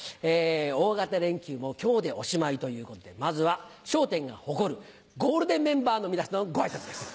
大型連休も今日でおしまいということでまずは『笑点』が誇るゴールデンメンバーの皆さんのご挨拶です。